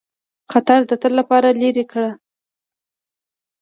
خطر د تل لپاره لیري کړ.